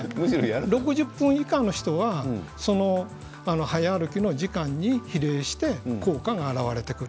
６０分以下の人は早歩きの時間に比例して効果が現れていく。